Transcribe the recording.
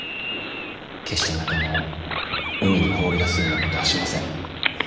決して仲間を海に放り出すようなことはしません。